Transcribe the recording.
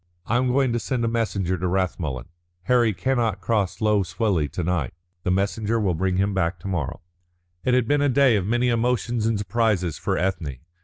"I am going to send a messenger to Rathmullen. Harry cannot cross Lough Swilly to night. The messenger will bring him back to morrow." It had been a day of many emotions and surprises for Ethne.